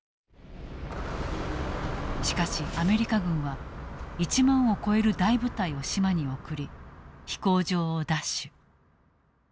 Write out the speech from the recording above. しかしアメリカ軍は１万を超える大部隊を島に送り飛行場を奪取。